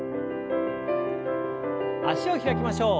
脚を開きましょう。